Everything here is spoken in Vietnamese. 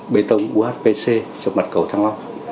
bê tông uhpc trong mặt cầu thăng long